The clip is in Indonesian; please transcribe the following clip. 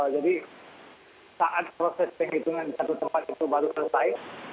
jadi saat proses penghitungan di satu tempat itu baru selesai